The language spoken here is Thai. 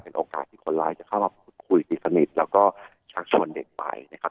โอกาสที่คนร้ายจะเข้ามาพูดคุยติดสนิทแล้วก็ชักชวนเด็กไปนะครับ